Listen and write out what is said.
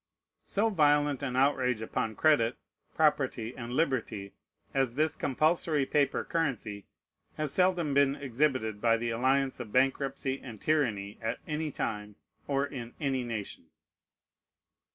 So violent an outrage upon credit, property, and liberty, as this compulsory paper currency, has seldom been exhibited by the alliance of bankruptcy and tyranny, at any time, or in any nation.